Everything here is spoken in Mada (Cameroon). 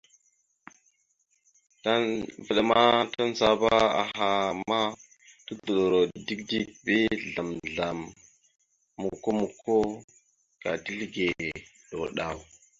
Vvaɗ ma tandzaba aha ma tudoɗoro dik dik bi azzlam azzlam mokko mokko ka tizləge ɗaw ɗaw.